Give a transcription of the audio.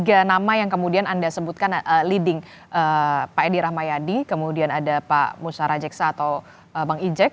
ada nama yang kemudian anda sebutkan leading pak edi rahmayadi kemudian ada pak musara jeksa atau bang ijek